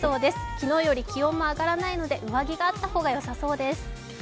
昨日より気温も上がらないので、上着があった方がよさそうです。